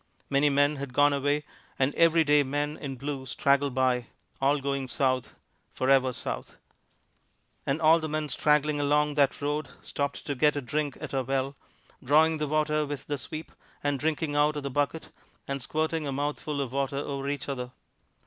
Many men had gone away; and every day men in blue straggled by, all going south, forever south. And all the men straggling along that road stopped to get a drink at our well, drawing the water with the sweep, and drinking out of the bucket, and squirting a mouthful of water over each other.